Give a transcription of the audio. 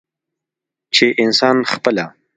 چې انسان خپله